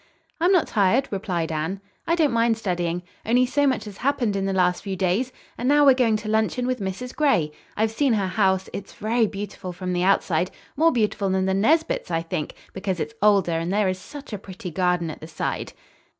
"I'm not tired," replied Anne. "I don't mind studying. Only so much has happened in the last few days! And now we're going to luncheon with Mrs. Gray. I've seen her house. It's very beautiful from the outside, more beautiful than the Nesbits', I think, because it is older and there is such a pretty garden at the side."